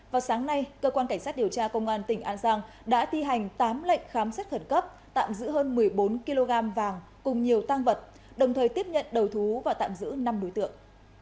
vào sáng nay cơ quan cảnh sát điều tra công an tỉnh an giang đã thi hành tám lệnh khám xét khẩn cấp tạm giữ hơn một mươi bốn kg vàng cùng nhiều tăng vật đồng thời tiếp nhận đầu thú và tạm giữ năm đối tượng